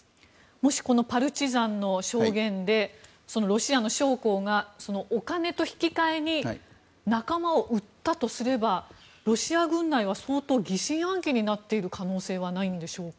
もし、パルチザンの証言でロシアの将校がお金と引き換えに仲間を売ったとすればロシア軍内は相当疑心暗鬼になっている可能性はないでしょうか。